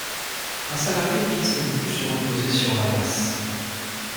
Un salarié vise à ne plus se reposer sur la masse.